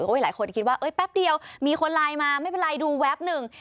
หลายคนคิดว่าแป๊บเดียวมีคนไลน์มาไม่เป็นไรดูแวบหนึ่ง